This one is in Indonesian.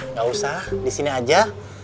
nggak usah di sini aja